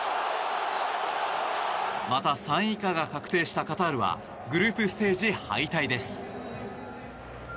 また、３位以下が確定したカタールはグループステージ敗退です。